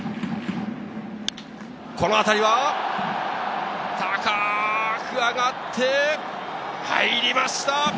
この当たりは、高く上がって、入りました。